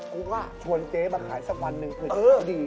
กูก็ชวนเจ๊มาขายสักวันหนึ่งคืนเออดี